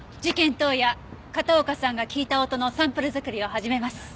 当夜片岡さんが聞いた音のサンプル作りを始めます。